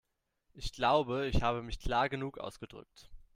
Ich glaube, ich habe mich klar genug ausgedrückt.